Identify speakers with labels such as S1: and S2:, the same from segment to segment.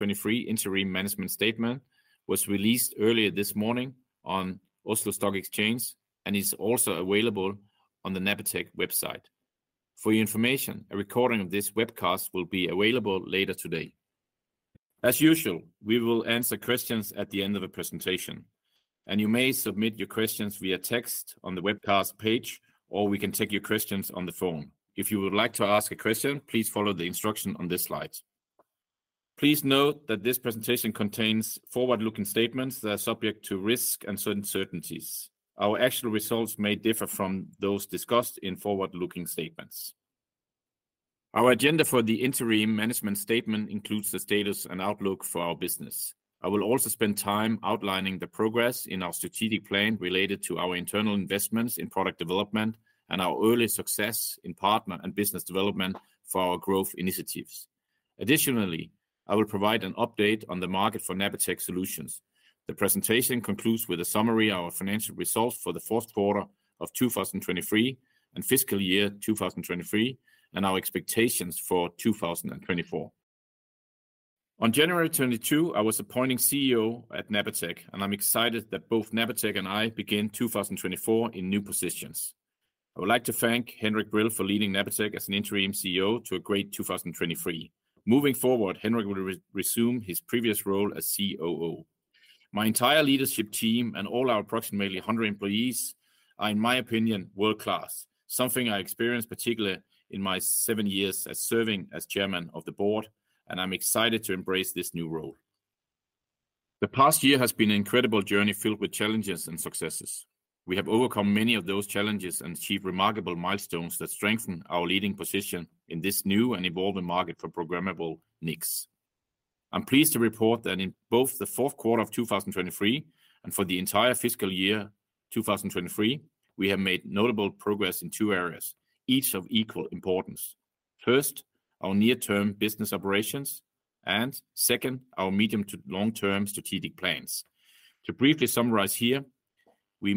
S1: 2023 interim management statement was released earlier this morning on Oslo Stock Exchange, and it's also available on the Napatech website. For your information, a recording of this webcast will be available later today. As usual, we will answer questions at the end of the presentation, and you may submit your questions via text on the webcast page, or we can take your questions on the phone. If you would like to ask a question, please follow the instruction on this slide. Please note that this presentation contains forward-looking statements that are subject to risk and certain certainties. Our actual results may differ from those discussed in forward-looking statements. Our agenda for the interim management statement includes the status and outlook for our business. I will also spend time outlining the progress in our strategic plan related to our internal investments in product development and our early success in partner and business development for our growth initiatives. Additionally, I will provide an update on the market for Napatech solutions. The presentation concludes with a summary of our financial results for the fourth quarter of 2023 and fiscal year 2023, and our expectations for 2024. On 22 January, I was appointed CEO at Napatech, and I'm excited that both Napatech and I begin 2024 in new positions. I would like to thank Henrik Brill Jensen for leading Napatech as an interim CEO to a great 2023. Moving forward, Henrik will resume his previous role as COO. My entire leadership team and all our approximately 100 employees are, in my opinion, world-class, something I experienced particularly in my seven years serving as chairman of the board, and I'm excited to embrace this new role. The past year has been an incredible journey filled with challenges and successes. We have overcome many of those challenges and achieved remarkable milestones that strengthen our leading position in this new and evolving market for programmable NICs. I'm pleased to report that in both the fourth quarter of 2023 and for the entire fiscal year 2023, we have made notable progress in two areas, each of equal importance: first, our near-term business operations, and second, our medium to long-term strategic plans. To briefly summarize here: we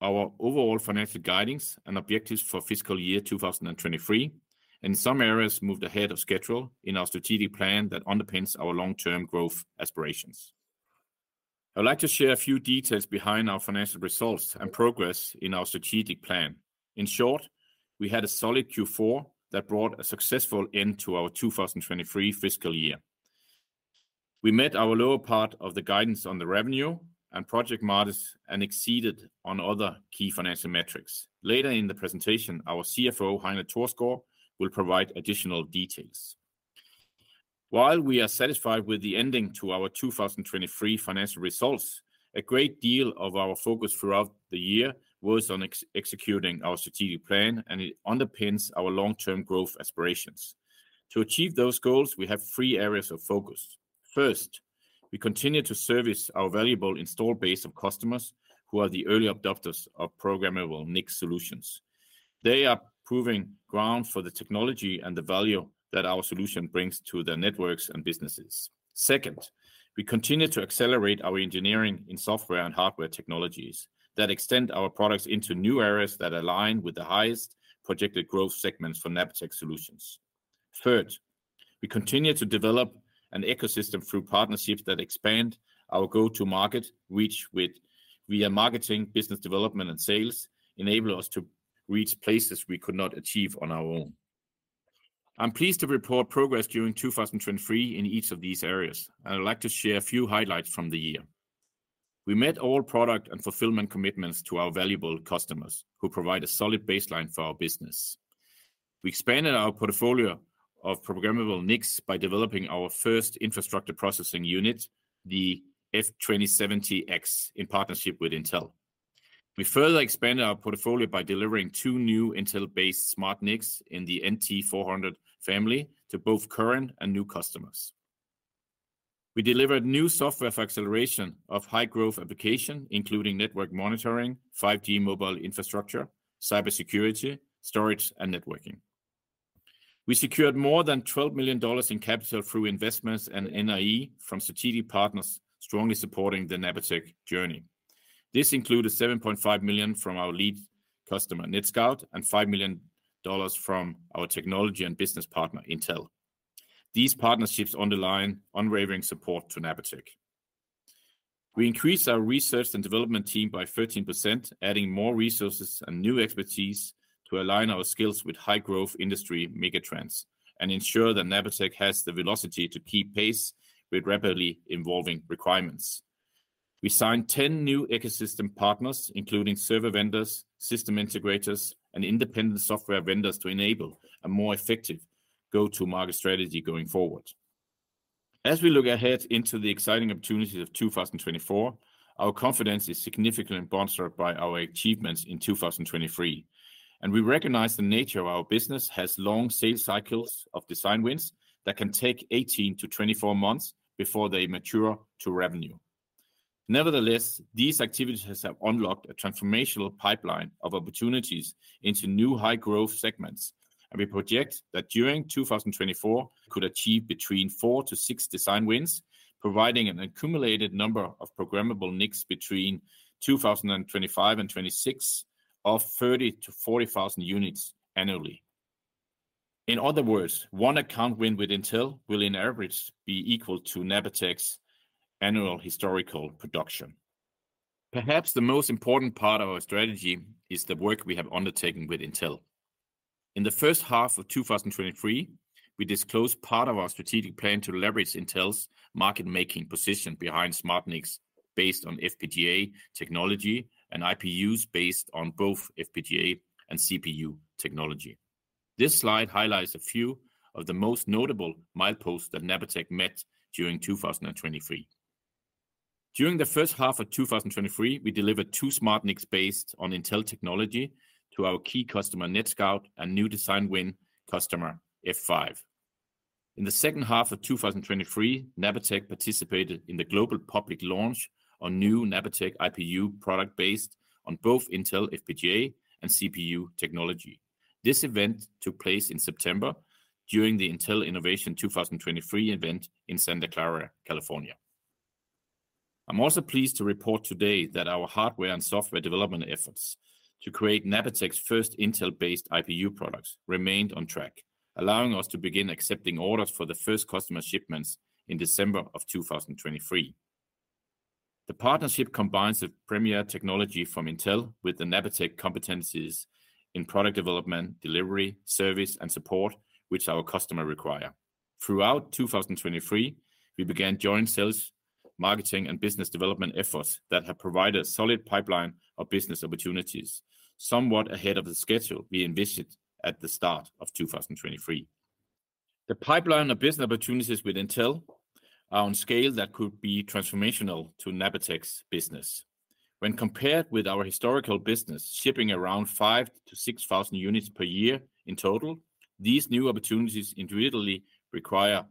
S1: meet our overall financial guidance and objectives for fiscal year 2023, and in some areas move ahead of schedule in our strategic plan that underpins our long-term growth aspirations. I would like to share a few details behind our financial results and progress in our strategic plan. In short, we had a solid Q4 that brought a successful end to our 2023 fiscal year. We met our lower part of the guidance on revenue and project margins and exceeded on other key financial metrics. Later in the presentation, our CFO, Heine Thorsgaard, will provide additional details. While we are satisfied with the ending to our 2023 financial results, a great deal of our focus throughout the year was on executing our strategic plan, and it underpins our long-term growth aspirations. So achieve those goals, we have three areas of focus: first, we continue to service our valuable install base of customers who are the early adopters of programmable NICs solutions. They are proving ground for the technology and the value that our solution brings to their networks and businesses. Second, we continue to accelerate our engineering in software and hardware technologies that extend our products into new areas that align with the highest projected growth segments for Napatech solutions. Third, we continue to develop an ecosystem through partnerships that expand our go-to-market reach via marketing, business development, and sales, enabling us to reach places we could not achieve on our own. I'm pleased to report progress during 2023 in each of these areas, and I'd like to share a few highlights from the year. We met all product and fulfillment commitments to our valuable customers who provide a solid baseline for our business. We expanded our portfolio of programmable NICs by developing our first infrastructure processing unit, the F2070X, in partnership with Intel. We further expanded our portfolio by delivering two new Intel-based SmartNICs in the NT400 family to both current and new customers. We delivered new software for acceleration of high-growth applications, including network monitoring, 5G mobile infrastructure, cybersecurity, storage, and networking. We secured more than $12 million in capital through investments and NRE from strategic partners strongly supporting the Napatech journey. This included $7.5 million from our lead customer, NETSCOUT, and $5 million from our technology and business partner, Intel. These partnerships underline unwavering support to Napatech. We increased our research and development team by 13%, adding more resources and new expertise to align our skills with high-growth industry megatrends and ensure that Napatech has the velocity to keep pace with rapidly evolving requirements. We signed 10 new ecosystem partners, including server vendors, system integrators, and independent software vendors, to enable a more effective go-to-market strategy going forward. As we look ahead into the exciting opportunities of 2024, our confidence is significantly sponsored by our achievements in 2023, and we recognize the nature of our business as long sales cycles of design wins that can take 18-24 months before they mature to revenue. Nevertheless, these activities have unlocked a transformational pipeline of opportunities into new high-growth segments, and we project that during 2024 we could achieve between four-six design wins, providing an accumulated number of programmable NICs between 2025 and 2026 of 30,000-40,000 units annually. In other words, one account win with Intel will, on average, be equal to Napatech's annual historical production. Perhaps the most important part of our strategy is the work we have undertaken with Intel. In the first half of 2023, we disclosed part of our strategic plan to leverage Intel's market-making position behind SmartNICs based on FPGA technology and IPUs based on both FPGA and CPU technology. This slide highlights a few of the most notable mileposts that Napatech met during 2023. During the first half of 2023, we delivered two SmartNICs based on Intel technology to our key customer, NETSCOUT, and a new design win customer, F5. In the second half of 2023, Napatech participated in the global public launch of new Napatech IPU products based on both Intel FPGA and CPU technology. This event took place in September during the Intel Innovation 2023 event in Santa Clara, California. I'm also pleased to report today that our hardware and software development efforts to create Napatech's first Intel-based IPU products remained on track, allowing us to begin accepting orders for the first customer shipments in December of 2023. The partnership combines the premier technology from Intel with the Napatech competencies in product development, delivery, service, and support, which our customers require. Throughout 2023, we began joint sales marketing and business development efforts that have provided a solid pipeline of business opportunities somewhat ahead of the schedule we envisioned at the start of 2023. The pipeline of business opportunities with Intel is on a scale that could be transformational to Napatech's business. When compared with our historical business shipping around 5,000-6,000 units per year in total, these new opportunities individually require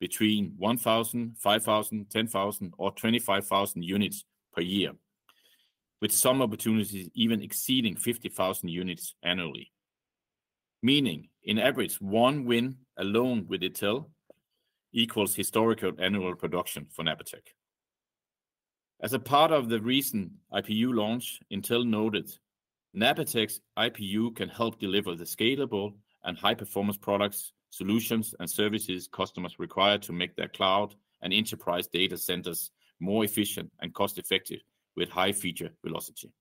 S1: between 1,000, 5,000, 10,000, or 25,000 units per year, with some opportunities even exceeding 50,000 units annually. Meaning, on average, one win alone with Intel equals historical annual production for Napatech. As a part of the recent IPU launch, Intel noted: "Napatech's IPU can help deliver the scalable and high-performance products, solutions, and services customers require to make their cloud and enterprise data centers more efficient and cost-effective with high feature velocity."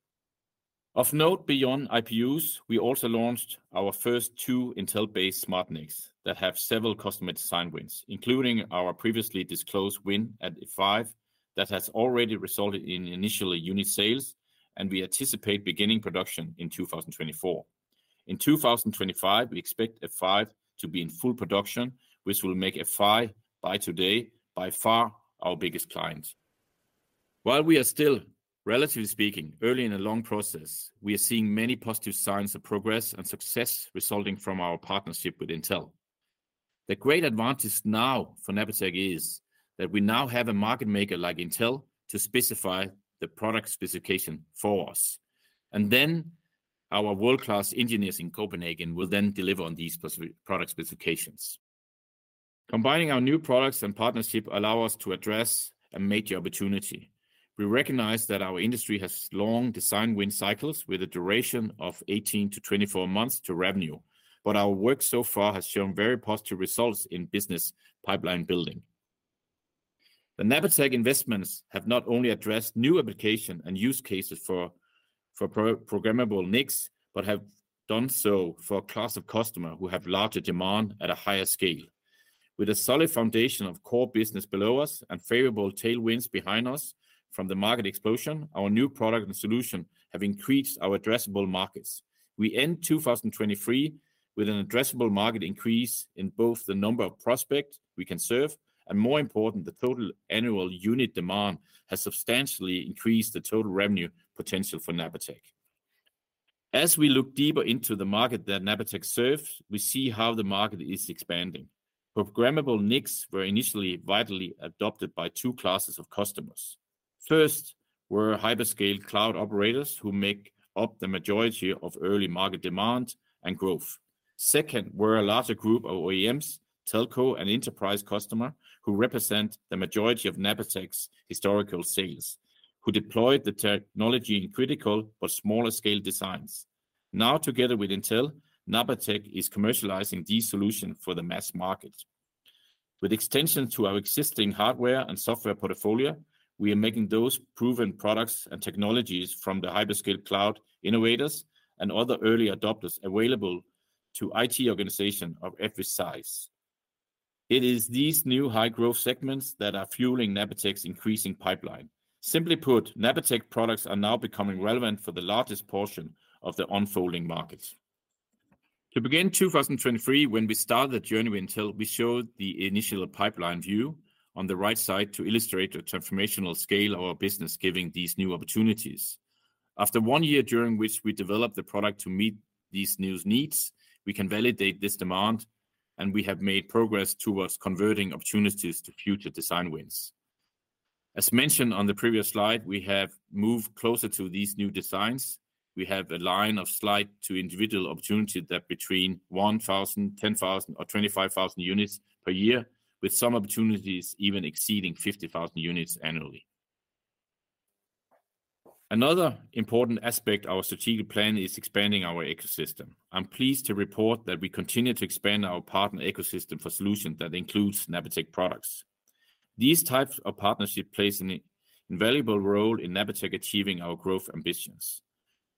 S1: Of note, beyond IPUs, we also launched our first two Intel-based SmartNICs that have several customer design wins, including our previously disclosed win at F5 that has already resulted in initial unit sales, and we anticipate beginning production in 2024. In 2025, we expect F5 to be in full production, which will make F5, by today, by far our biggest client. While we are still, relatively speaking, early in a long process, we are seeing many positive signs of progress and success resulting from our partnership with Intel. The great advantage now for Napatech is that we now have a market maker like Intel to specify the product specification for us, and then our world-class engineers in Copenhagen will then deliver on these product specifications. Combining our new products and partnership allows us to address a major opportunity. We recognize that our industry has long design win cycles with a duration of 18 to 24 months to revenue, but our work so far has shown very positive results in business pipeline building. The Napatech investments have not only addressed new applications and use cases for programmable NICs but have done so for a class of customers who have larger demand at a higher scale. With a solid foundation of core business below us and favorable tailwinds behind us from the market explosion, our new product and solution have increased our addressable markets. We end 2023 with an addressable market increase in both the number of prospects we can serve and, more important, the total annual unit demand has substantially increased the total revenue potential for Napatech. As we look deeper into the market that Napatech serves, we see how the market is expanding. Programmable NICs were initially widely adopted by two classes of customers. First were hyperscale cloud operators who make up the majority of early market demand and growth. Second were a larger group of OEMs, telco, and enterprise customers who represent the majority of Napatech's historical sales, who deployed the technology in critical but smaller-scale designs. Now, together with Intel, Napatech is commercializing these solutions for the mass market. With extensions to our existing hardware and software portfolio, we are making those proven products and technologies from the hyperscale cloud innovators and other early adopters available to IT organizations of every size. It is these new high-growth segments that are fueling Napatech's increasing pipeline. Simply put, Napatech products are now becoming relevant for the largest portion of the unfolding market. To begin 2023, when we started the journey with Intel, we showed the initial pipeline view on the right side to illustrate the transformational scale of our business giving these new opportunities. After one year during which we developed the product to meet these new needs, we can validate this demand, and we have made progress towards converting opportunities to future design wins. As mentioned on the previous slide, we have moved closer to these new designs. We have a line of sight to individual opportunities that are between 1,000, 10,000, or 25,000 units per year, with some opportunities even exceeding 50,000 units annually. Another important aspect of our strategic plan is expanding our ecosystem. I'm pleased to report that we continue to expand our partner ecosystem for solutions that include Napatech products. These types of partnerships play an invaluable role in Napatech achieving our growth ambitions.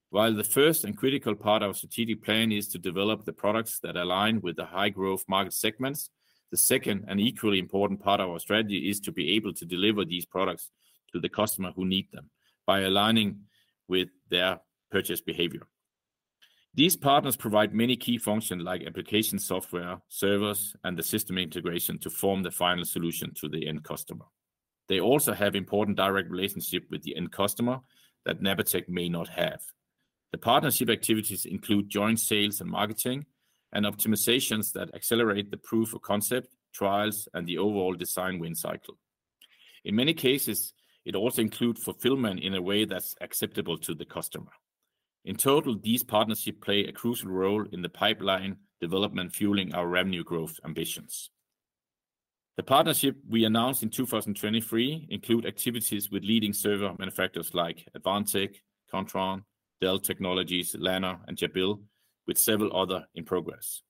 S1: While the first and critical part of our strategic plan is to develop the products that align with the high-growth market segments, the second and equally important part of our strategy is to be able to deliver these products to the customers who need them by aligning with their purchase behavior. These partners provide many key functions like application software, servers, and the system integration to form the final solution to the end customer. They also have an important direct relationship with the end customer that Napatech may not have. The partnership activities include joint sales and marketing and optimizations that accelerate the proof of concept, trials, and the overall design win cycle. In many cases, it also includes fulfillment in a way that's acceptable to the customer. In total, these partnerships play a crucial role in the pipeline development fueling our revenue growth ambitions. The partnerships we announced in 2023 include activities with leading server manufacturers like Advantech, Kontron, Dell Technologies, Lanner, and Jabil, with several others in progress.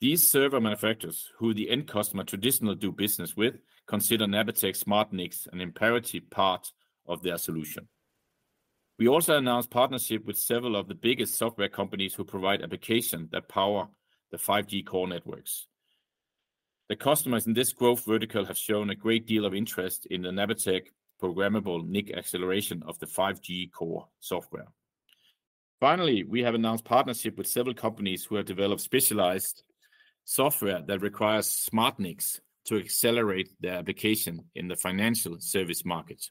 S1: These server manufacturers, who the end customer traditionally does business with, consider Napatech's SmartNICs an imperative part of their solution. We also announced a partnership with several of the biggest software companies who provide applications that power the 5G core networks. The customers in this growth vertical have shown a great deal of interest in the Napatech programmable NIC acceleration of the 5G core software. Finally, we have announced a partnership with several companies who have developed specialized software that requires SmartNICs to accelerate their applications in the financial service market.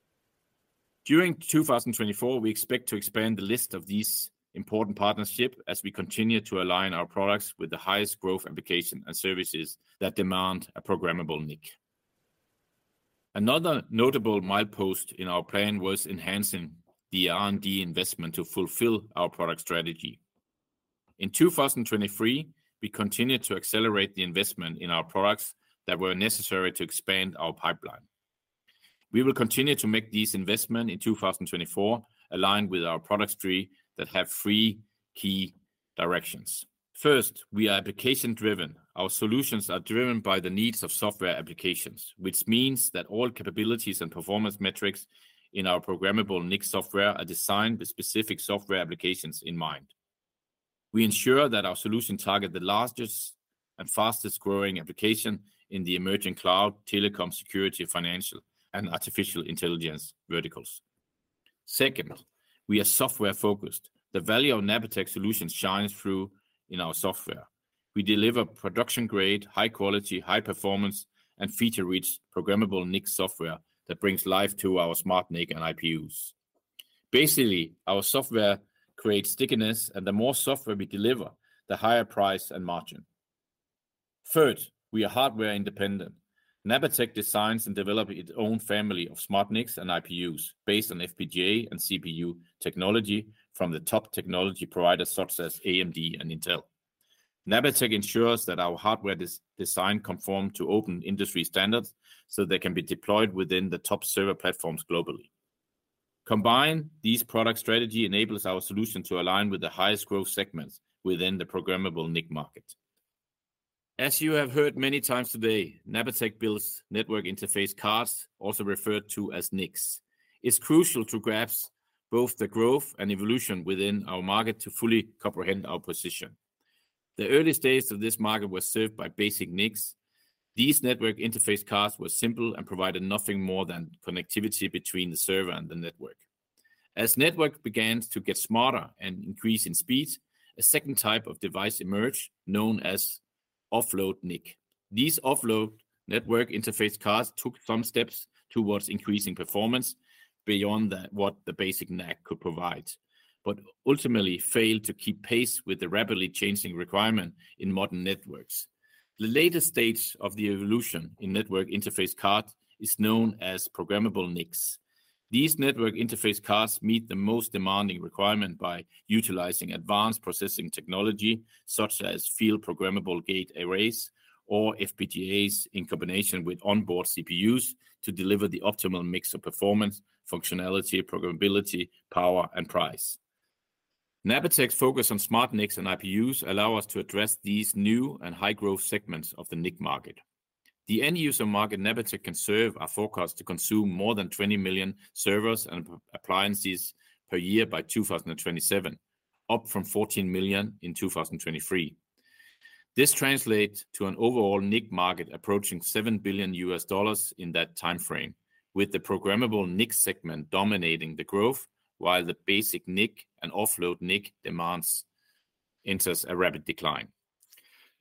S1: During 2024, we expect to expand the list of these important partnerships as we continue to align our products with the highest growth applications and services that demand a programmable NIC. Another notable milepost in our plan was enhancing the R&D investment to fulfill our product strategy. In 2023, we continue to accelerate the investment in our products that were necessary to expand our pipeline. We will continue to make these investments in 2024 aligned with our product tree that has three key directions. First, we are application-driven. Our solutions are driven by the needs of software applications, which means that all capabilities and performance metrics in our programmable NIC software are designed with specific software applications in mind. We ensure that our solutions target the largest and fastest-growing applications in the emerging cloud, telecom, security, financial, and artificial intelligence verticals. Second, we are software-focused. The value of Napatech's solutions shines through in our software. We deliver production-grade, high-quality, high-performance, and feature-rich programmable NIC software that brings life to our SmartNIC and IPUs. Basically, our software creates stickiness, and the more software we deliver, the higher price and margin. Third, we are hardware-independent. Napatech designs and develops its own family of SmartNICs and IPUs based on FPGA and CPU technology from the top technology providers such as AMD and Intel. Napatech ensures that our hardware designs conform to open industry standards so they can be deployed within the top server platforms globally. Combining these products with our strategy enables our solutions to align with the highest growth segments within the programmable NIC market. As you have heard many times today, Napatech builds network interface cards, also referred to as NICs. It's crucial to grasp both the growth and evolution within our market to fully comprehend our position. The earliest days of this market were served by basic NICs. These network interface cards were simple and provided nothing more than connectivity between the server and the network. As networks began to get smarter and increase in speed, a second type of device emerged known as offload NIC. These offload network interface cards took some steps toward increasing performance beyond what the basic NIC could provide, but ultimately failed to keep pace with the rapidly changing requirements in modern networks. The latest stage of the evolution in network interface cards is known as programmable NICs. These network interface cards meet the most demanding requirements by utilizing advanced processing technology such as field-programmable gate arrays or FPGAs in combination with onboard CPUs to deliver the optimal mix of performance, functionality, programmability, power, and price. Napatech's focus on SmartNICs and IPUs allows us to address these new and high-growth segments of the NIC market. The end-user market Napatech can serve is forecast to consume more than 20 million servers and appliances per year by 2027, up from 14 million in 2023. This translates to an overall NIC market approaching $7 billion in that time frame, with the programmable NIC segment dominating the growth while the basic NIC and offload NIC demands enter a rapid decline.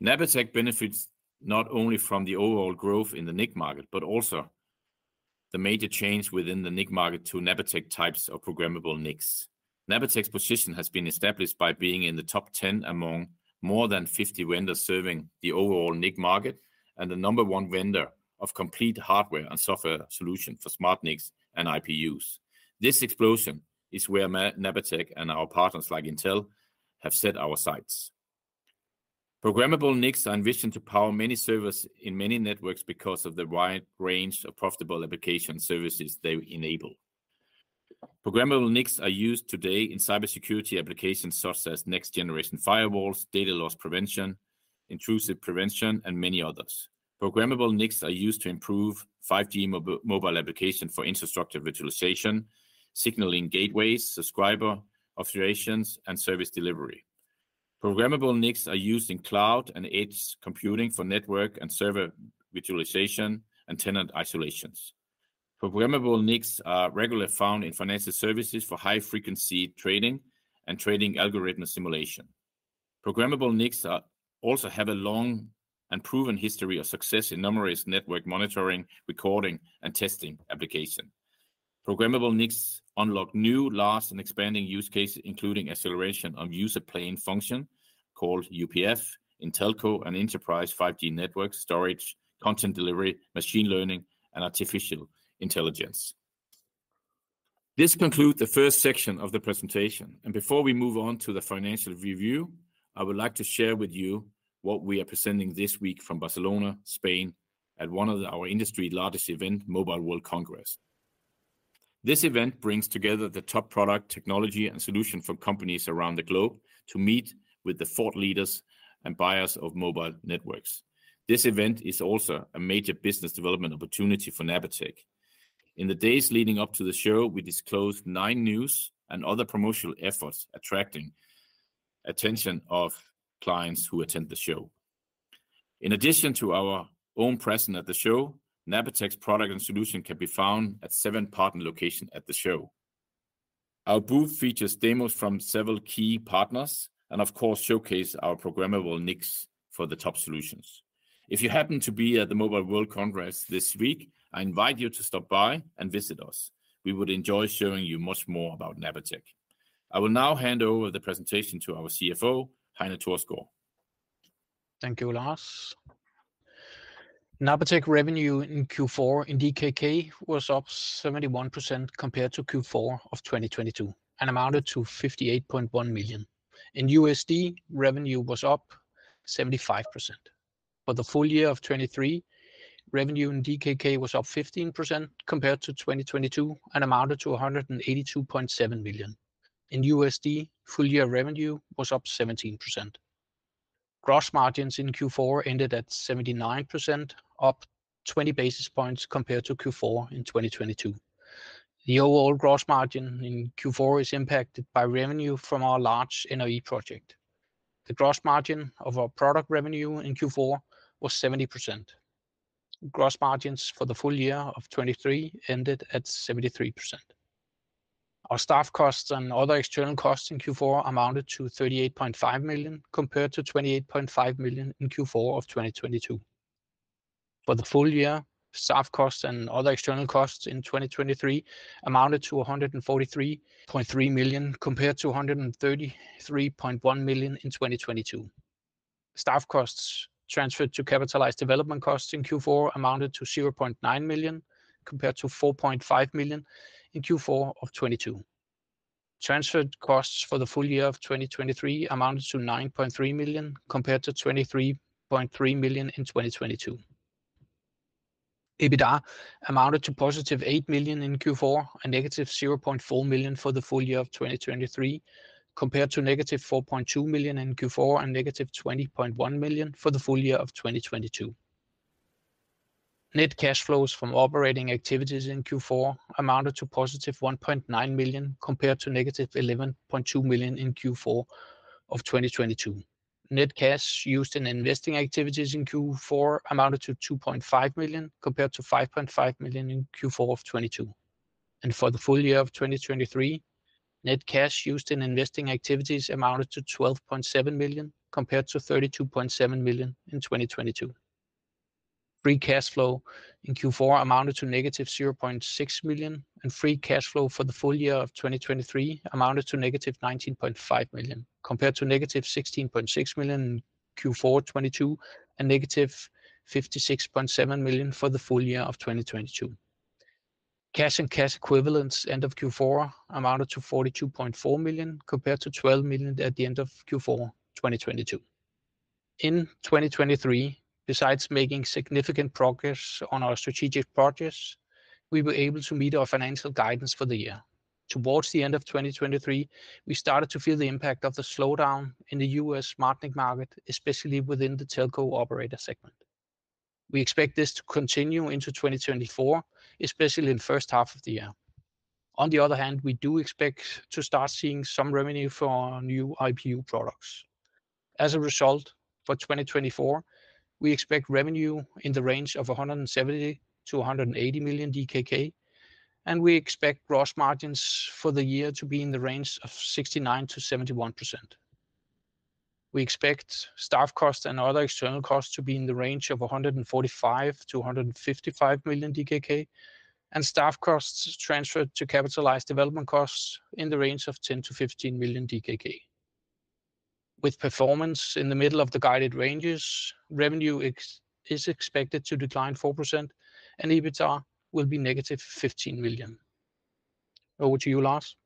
S1: Napatech benefits not only from the overall growth in the NIC market but also from the major change within the NIC market to Napatech types of programmable NICs. Napatech's position has been established by being in the top 10 among more than 50 vendors serving the overall NIC market and the number one vendor of complete hardware and software solutions for SmartNICs and IPUs. This explosion is where Napatech and our partners like Intel have set our sights. Programmable NICs are envisioned to power many servers in many networks because of the wide range of profitable application services they enable. Programmable NICs are used today in cybersecurity applications such as next-generation firewalls, data loss prevention, intrusion prevention, and many others. Programmable NICs are used to improve 5G mobile applications for infrastructure virtualization, signaling gateways, subscriber authorizations, and service delivery. Programmable NICs are used in cloud and edge computing for network and server virtualization and tenant isolation. Programmable NICs are regularly found in financial services for high-frequency trading and trading algorithm simulation. Programmable NICs also have a long and proven history of success in numerous network monitoring, recording, and testing applications. Programmable NICs unlock new, vast, and expanding use cases, including acceleration of user plane functions called UPF in telco and enterprise 5G network storage, content delivery, machine learning, and artificial intelligence. This concludes the first section of the presentation, and before we move on to the financial review, I would like to share with you what we are presenting this week from Barcelona, Spain, at one of our industry's largest events, the Mobile World Congress. This event brings together the top product, technology, and solutions from companies around the globe to meet with the thought leaders and buyers of mobile networks. This event is also a major business development opportunity for Napatech. In the days leading up to the show, we disclosed nine news and other promotional efforts attracting the attention of clients who attend the show. In addition to our own presence at the show, Napatech's product and solution can be found at seven partner locations at the show. Our booth features demos from several key partners and, of course, showcases our programmable NICs for the top solutions. If you happen to be at the Mobile World Congress this week, I invite you to stop by and visit us. We would enjoy showing you much more about Napatech. I will now hand over the presentation to our CFO, Heine Thorsgaard.
S2: Thank you, Lars. Napatech revenue in Q4 in DKK was up 71% compared to Q4 of 2022 and amounted to 58.1 million. In USD, revenue was up 75%. For the full year of 2023, revenue in DKK was up 15% compared to 2022 and amounted to 182.7 million. In USD, full-year revenue was up 17%. Gross margins in Q4 ended at 79%, up 20 basis points compared to Q4 in 2022. The overall gross margin in Q4 is impacted by revenue from our large NRE project. The gross margin of our product revenue in Q4 was 70%. Gross margins for the full year of 2023 ended at 73%. Our staff costs and other external costs in Q4 amounted to 38.5 million compared to 28.5 million in Q4 of 2022. For the full year, staff costs and other external costs in 2023 amounted to 143.3 million compared to 133.1 million in 2022. Staff costs transferred to capitalized development costs in Q4 amounted to 0.9 million compared to 4.5 million in Q4 of '22. Transferred costs for the full year of 2023 amounted to 9.3 million compared to 23.3 million in 2022. EBITDA amounted to +8 million in Q4 and -0.4 million for the full year of 2023 compared to -4.2 million in Q4 and -20.1 million for the full year of 2022. Net cash flows from operating activities in Q4 amounted to +1.9 million compared to -11.2 million in Q4 of 2022. Net cash used in investing activities in Q4 amounted to 2.5 million compared to 5.5 million in Q4 of 2022. For the full year of 2023, net cash used in investing activities amounted to 12.7 million compared to 32.7 million in 2022. Free cash flow in Q4 amounted to -0.6 million, and free cash flow for the full year of 2023 amounted to -19.5 million compared to -16.6 million in Q4 2022 and -56.7 million for the full year of 2022. Cash and cash equivalents at the end of Q4 amounted to 42.4 million compared to 12 million at the end of Q4 2022. In 2023, besides making significant progress on our strategic projects, we were able to meet our financial guidance for the year. Towards the end of 2023, we started to feel the impact of the slowdown in the US SmartNIC market, especially within the telco operator segment. We expect this to continue into 2024, especially in the first half of the year. On the other hand, we do expect to start seeing some revenue for new IPU products. As a result, for 2024, we expect revenue in the range of 170-180 million DKK, and we expect gross margins for the year to be in the range of 69%-71%. We expect staff costs and other external costs to be in the range of 145-155 million DKK, and staff costs transferred to capitalized development costs in the range of 10-15 million DKK. With performance in the middle of the guided ranges, revenue is expected to decline 4%, and EBITDA will be -15 million. Over to you, Lars.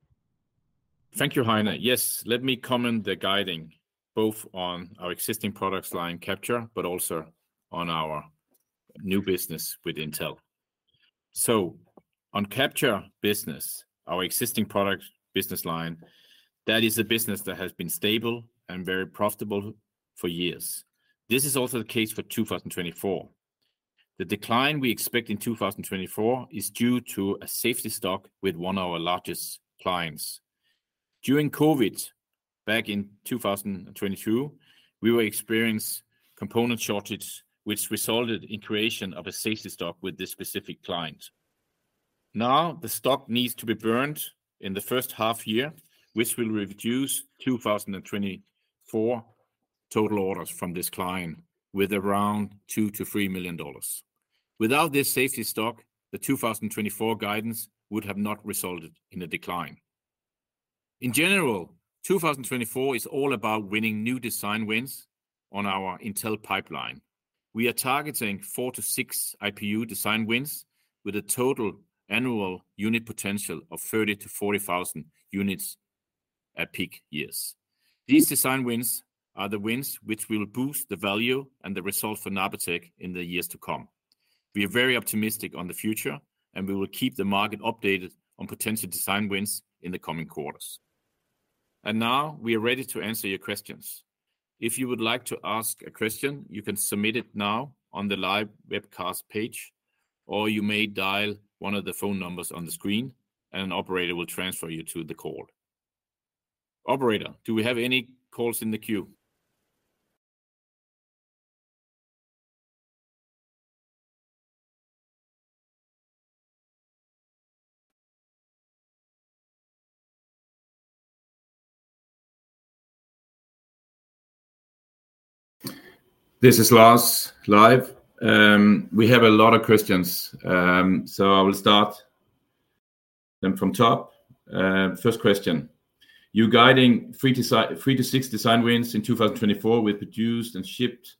S1: Thank you, Heine. Yes, let me comment on the guidance both on our existing product line capture, but also on our new business with Intel. So on capture business, our existing product business line, that is a business that has been stable and very profitable for years. This is also the case for 2024. The decline we expect in 2024 is due to a safety stock with one of our largest clients. During COVID back in 2022, we were experiencing component shortages, which resulted in the creation of a safety stock with this specific client. Now the stock needs to be burned in the first half year, which will reduce 2024 total orders from this client with around $2 million-$3 million. Without this safety stock, the 2024 guidance would have not resulted in a decline. In general, 2024 is all about winning new design wins on our Intel pipeline. We are targeting four-six IPU design wins with a total annual unit potential of 30,000-40,000 units at peak years. These design wins are the wins which will boost the value and the result for Napatech in the years to come. We are very optimistic about the future, and we will keep the market updated on potential design wins in the coming quarters. And now we are ready to answer your questions. If you would like to ask a question, you can submit it now on the live webcast page, or you may dial one of the phone numbers on the screen, and an operator will transfer you to the call. Operator, do we have any calls in the queue? This is Lars live. We have a lot of questions. So I will start them from top. First question: you guiding three to six design wins in 2024 with produced and shipped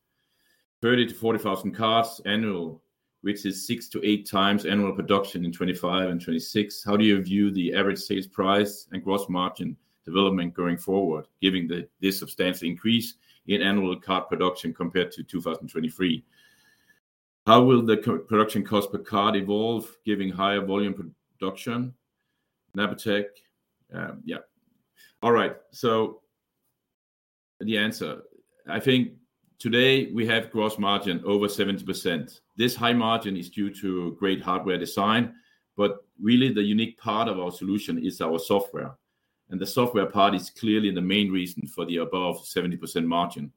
S1: 30,000-40,000 cards annually, which is six-eight times annual production in 2025 and 2026. How do you view the average sales price and gross margin development going forward, given this substantial increase in annual card production compared to 2023? How will the production cost per card evolve, given higher volume production? Napatech, yeah. All right. So the answer: I think today we have a gross margin over 70%. This high margin is due to great hardware design, but really the unique part of our solution is our software, and the software part is clearly the main reason for the above 70% margin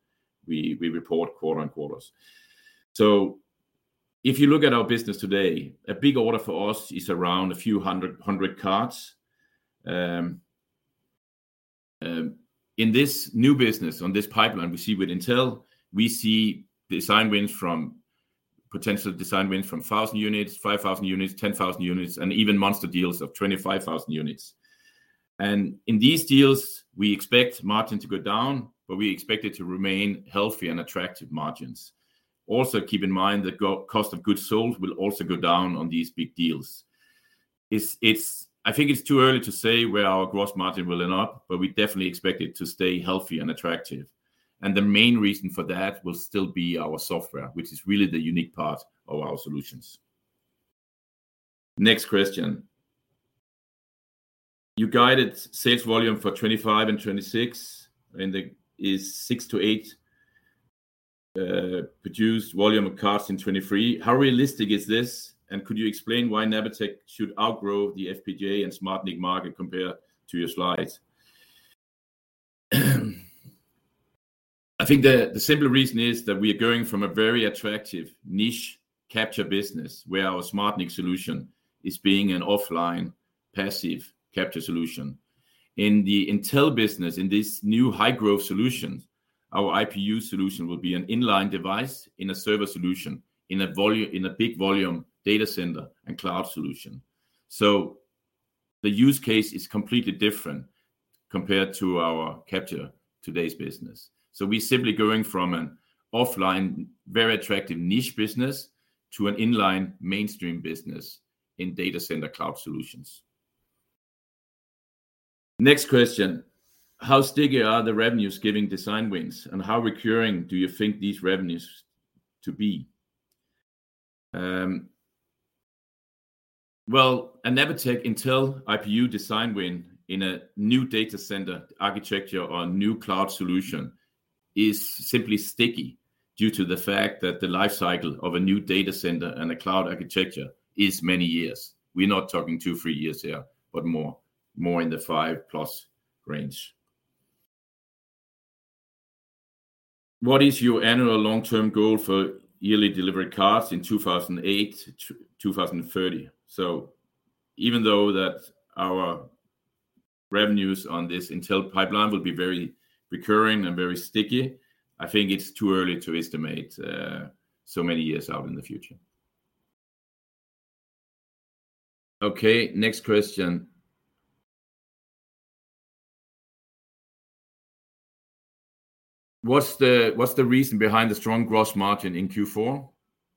S1: we report quarter on quarters. So if you look at our business today, a big order for us is around a few hundred cards. In this new business, on this pipeline we see with Intel, we see design wins from potential design wins from 1,000 units, 5,000 units, 10,000 units, and even monster deals of 25,000 units. And in these deals, we expect margins to go down, but we expect it to remain healthy and attractive margins. Also, keep in mind that the cost of goods sold will also go down on these big deals. It's I think it's too early to say where our gross margin will end up, but we definitely expect it to stay healthy and attractive. And the main reason for that will still be our software, which is really the unique part of our solutions. Next question: you guided sales volume for 2025 and 2026 and the is six to eight, produced volume of cards in 2023. How realistic is this, and could you explain why Napatech should outgrow the FPGA and SmartNIC market compared to your slides? I think the simple reason is that we are going from a very attractive niche capture business where our SmartNIC solution is being an offline passive capture solution. In the Intel business, in this new high-growth solution, our IPU solution will be an inline device in a server solution in a volume in a big volume data center and cloud solution. So the use case is completely different compared to our capture today's business. So we're simply going from an offline very attractive niche business to an inline mainstream business in data center cloud solutions. Next question: How sticky are the revenues giving design wins, and how recurring do you think these revenues to be? Well, a Napatech Intel IPU design win in a new data center architecture or new cloud solution is simply sticky due to the fact that the lifecycle of a new data center and a cloud architecture is many years. We're not talking two, three years here, but more, more in the 5+ range. What is your annual long-term goal for yearly delivered cards in 2028 to 2030? So even though our revenues on this Intel pipeline will be very recurring and very sticky, I think it's too early to estimate, so many years out in the future. Okay. Next question: What's the, what's the reason behind the strong gross margin in Q4?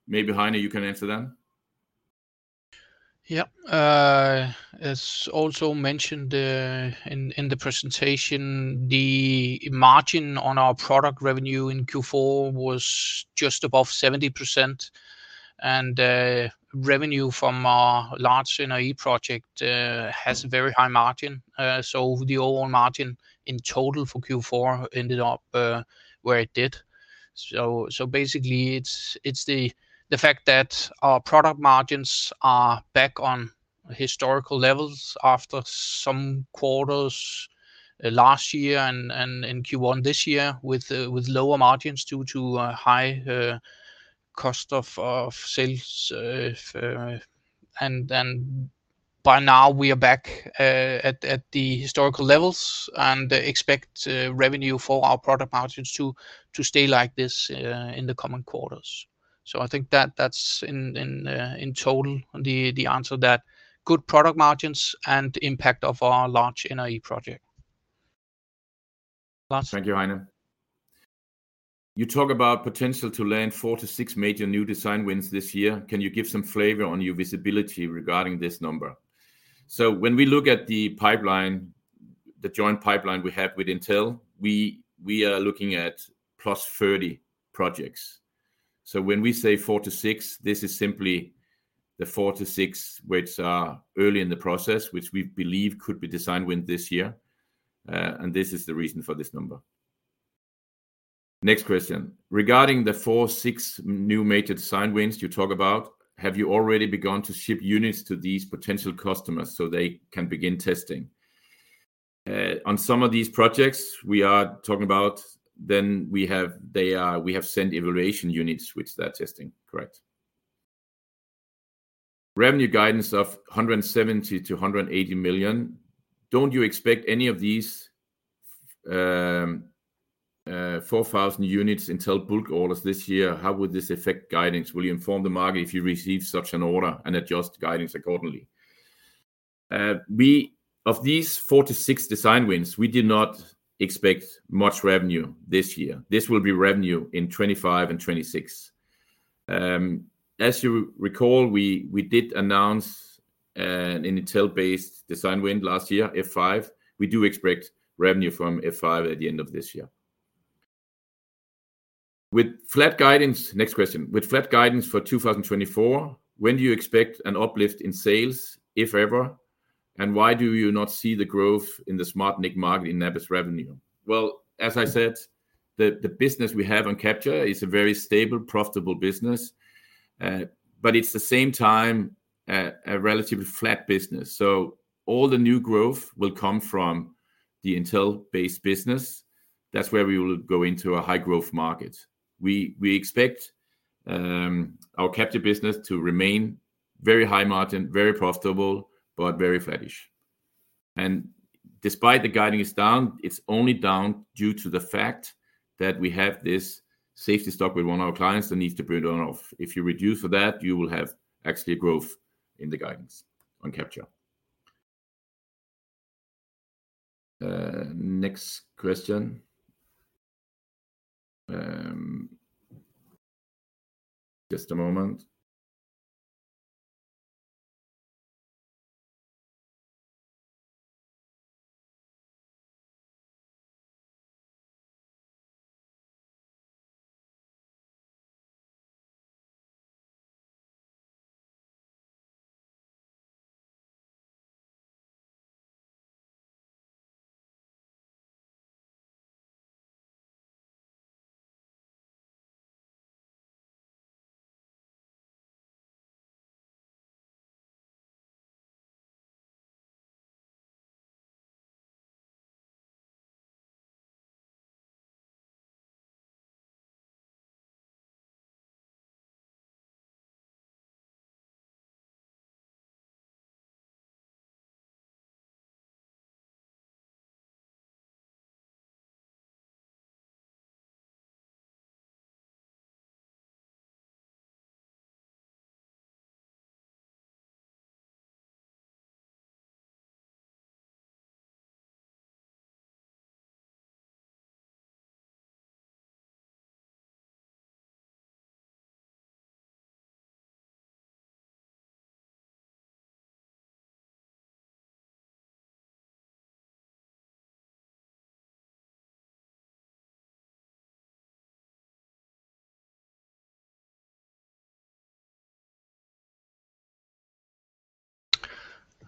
S1: Maybe Heine, you can answer that.
S2: Yep. As also mentioned in the presentation, the margin on our product revenue in Q4 was just above 70%, and revenue from our large NRE project has a very high margin. So the overall margin in total for Q4 ended up where it did. So basically, it's the fact that our product margins are back on historical levels after some quarters last year and in Q1 this year with lower margins due to a high cost of sales. And by now we are back at the historical levels and expect revenue for our product margins to stay like this in the coming quarters. So I think that's in total the answer: good product margins and impact of our large NRE project. Lars.
S1: Thank you, Heine. You talk about potential to land four-six major new design wins this year. Can you give some flavor on your visibility regarding this number? So when we look at the pipeline, the joint pipeline we have with Intel, we are looking at +30 projects. So when we say four-six, this is simply the four-six which are early in the process, which we believe could be design wins this year. This is the reason for this number. Next question: regarding the four-six new major design wins you talk about, have you already begun to ship units to these potential customers so they can begin testing? On some of these projects we are talking about, then we have sent evaluation units with that testing. Correct. Revenue guidance of 170-180 million. Don't you expect any of these, 40,000 units Intel bulk orders this year? How would this affect guidance? Will you inform the market if you receive such an order and adjust guidance accordingly? We of these four-six design wins, we did not expect much revenue this year. This will be revenue in 2025 and 2026. As you recall, we did announce an Intel-based design win last year, F5. We do expect revenue from F5 at the end of this year. With flat guidance, next question, with flat guidance for 2024, when do you expect an uplift in sales, if ever? And why do you not see the growth in the SmartNIC market in NAPA's revenue? Well, as I said, the business we have on capture is a very stable, profitable business, but it's at the same time a relatively flat business. So all the new growth will come from the Intel-based business. That's where we will go into a high-growth market. We expect our capture business to remain very high margin, very profitable, but very flatish. And despite the guidance is down, it's only down due to the fact that we have this safety stock with one of our clients that needs to burn on/off. If you reduce for that, you will have actual growth in the guidance on capture.
S2: Next question. Just a moment.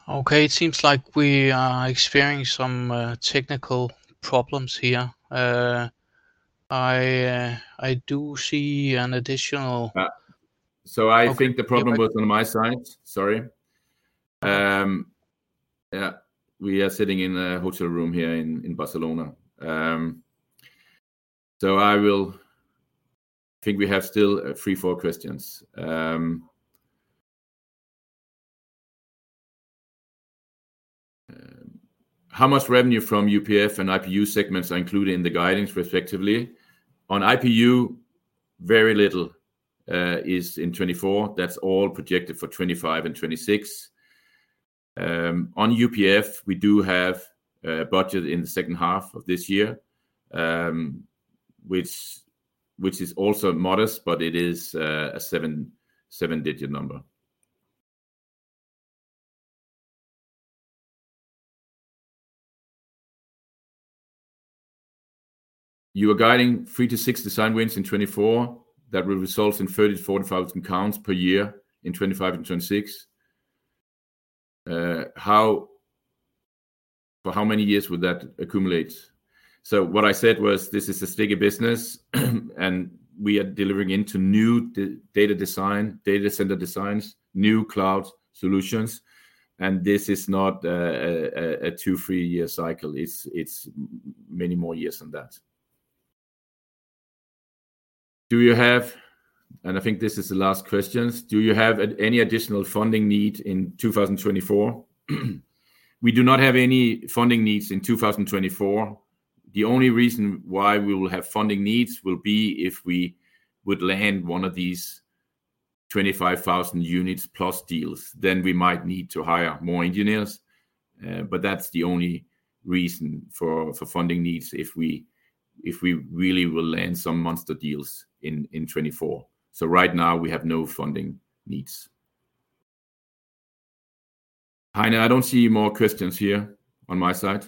S2: Okay. It seems like we are experiencing some technical problems here. I do see an additional.
S1: Yeah. So I think the problem was on my side. Sorry. Yeah. We are sitting in a hotel room here in Barcelona. So I think we have still three, four questions. How much revenue from UPF and IPU segments are included in the guidance, respectively? On IPU, very little is in 2024. That's all projected for 2025 and 2026. On UPF, we do have a budget in the second half of this year, which is also modest, but it is a 7-digit number. You are guiding three to six design wins in 2024. That will result in 30,000-40,000 cards per year in 2025 and 2026. For how many years would that accumulate? So what I said was this is a sticky business, and we are delivering into new data center designs, new cloud solutions. And this is not a two-three-year cycle. It is many more years than that. Do you have any additional funding need in 2024? And I think this is the last question. We do not have any funding needs in 2024. The only reason why we will have funding needs will be if we would land one of these 25,000 units-plus deals. Then we might need to hire more engineers. But that's the only reason for funding needs if we really will land some monster deals in 2024. So right now we have no funding needs. Heine, I don't see more questions here on my side.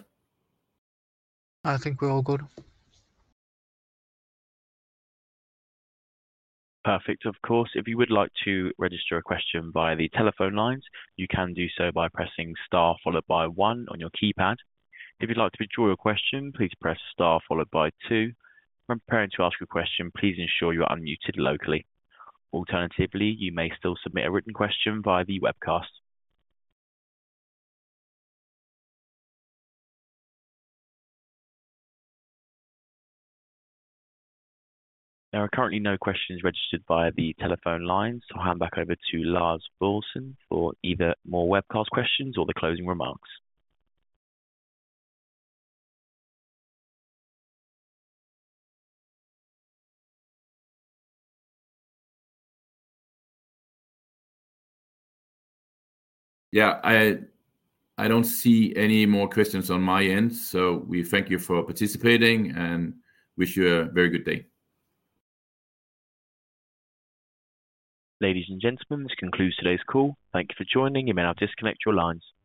S1: I think we're all good.
S2: Perfect. Of course, if you would like to register a question by the telephone lines, you can do so by pressing star followed by one on your keypad. If you'd like to withdraw your question, please press star followed by two. When preparing to ask a question, please ensure you are unmuted locally. Alternatively, you may still submit a written question via the webcast. There are currently no questions registered via the telephone lines, so I'll hand back over to Lars Boilesen for either more webcast questions or the closing remarks.
S1: Yeah. I don't see any more questions on my end. We thank you for participating and wish you a very good day.
S2: Ladies and gentlemen, this concludes today's call. Thank you for joining. You may now disconnect your lines.